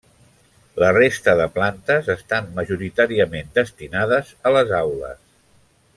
La resta de plantes estan majoritàriament destinades a les aules.